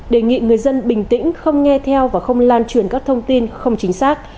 đề nghị người dân bình tĩnh không nghe theo và không lan truyền các thông tin không chính xác